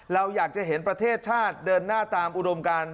เราอยากจะเห็นประเทศชาติเดินหน้าตามอุดมการ